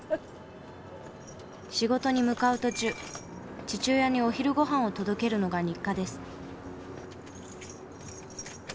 仕事に向かう途中父親にお昼御飯を届けるのが日課です。